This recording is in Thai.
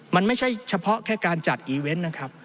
มันไม่ใช่เฉพาะแค่การจัดอีเวนต์นะครับ